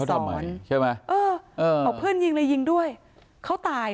ทำไมใช่ไหมเออเออบอกเพื่อนยิงเลยยิงด้วยเขาตาย